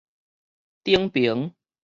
頂爿